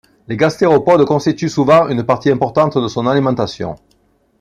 Les gastéropodes constituent souvent une partie importante de son alimentation.